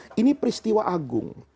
ini adalah peristiwa agung